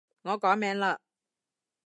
我改名嘞